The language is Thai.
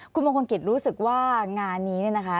คุณมงคุณกิจรู้สึกว่างานนี้นะคะ